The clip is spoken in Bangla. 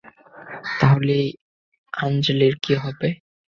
তাহলে এই আঞ্জলির কী হবে?